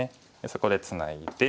そこでツナいで。